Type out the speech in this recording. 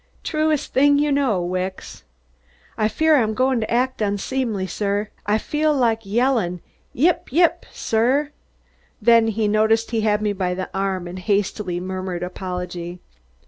"Truest thing you know, Wicks!" "I fear I'm going to act unseemly, sir. I feel like yelling, 'ip, 'ip, sir." Then he noticed he had me by the arm and hastily murmured apology.